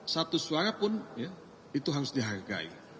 satu suara pun itu harus dihargai